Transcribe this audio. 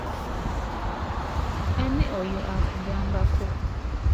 Ani oyo akugambako?